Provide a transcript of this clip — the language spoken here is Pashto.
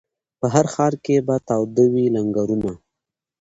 په هر ښار کي به تاوده وي لنګرونه